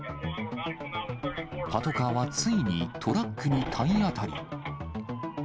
パトカーはついにトラックに体当たり。